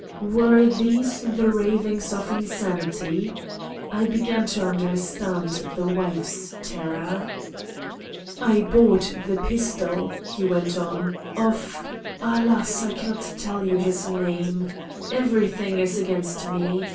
Were these the ravings of insanity? I began to understand the wife's terror. "I bought the pistol," he went on, "of—alas! I cannot tell you his name. Everything is against me.